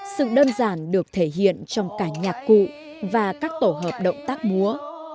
sự đơn giản được thể hiện trong cả nhạc cụ và các tổ hợp động tác múa